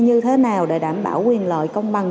như thế nào để đảm bảo quyền lợi công bằng